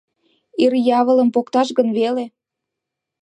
Ир явылым покташ гын веле!